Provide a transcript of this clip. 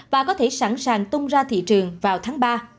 và có thể sẵn sàng tung ra thị trường vào tháng ba